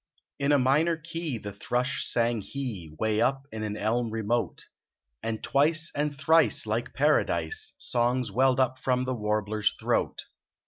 In a minor key the thrush sang he, Way uj) in an elm remote, And twice and thrice like paradise Songs welled from the warbler s throat.